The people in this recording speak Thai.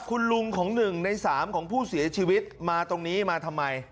คุณลุงของ๑ใน๓ของผู้เสียชีวิตมาตรงนี้มาทำไม